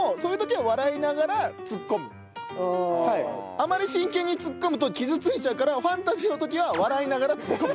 「あまり真剣にツッコむと傷ついちゃうからファンタジーの時は笑いながらツッコむ」